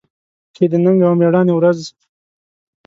کې د ننګ او مېړانې ورځ